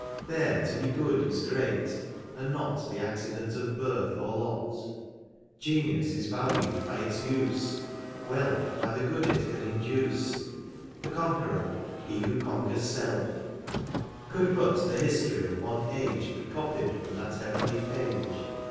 Tliere to be good is great, and not The accident of biith or lot r Genius is valued by its use ; Wealth by the good it can induce ; The conqueror, he who conquers self. Could but the history of one age Be copied firom that heavenly page.